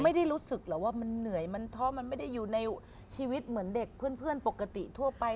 ไม่ได้รู้สึกหรอกว่ามันเหนื่อยมันท้อมันไม่ได้อยู่ในชีวิตเหมือนเด็กเพื่อนปกติทั่วไป